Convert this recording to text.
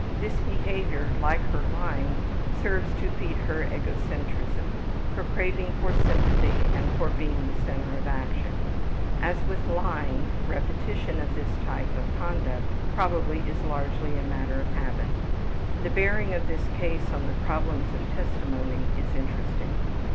This behavior, like her lying, serves to feed her egocentrism, her craving for sympathy and for being the center of action. As with the lying, repetition of this type of conduct probably is largely a matter of habit. The bearing of this case on the problems of testimony is interesting.